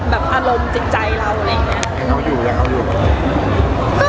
แบบอารมณ์จิตใจเราอะไรอย่างนี้